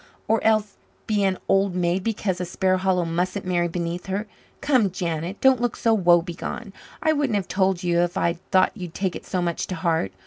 Or else be an old maid because a Sparhallow mustn't marry beneath her? Come, Janet, don't look so woebegone. I wouldn't have told you if I'd thought you'd take it so much to heart.